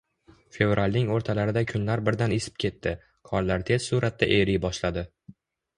Fevralning o`rtalarida kunlar birdan isib ketdi, qorlar tez sur`atda eriy boshladi